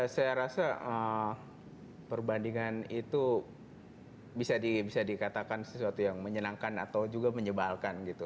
saya rasa perbandingan itu bisa dikatakan sesuatu yang menyenangkan atau juga menyebalkan gitu